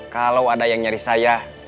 kalau ada yang nyari saya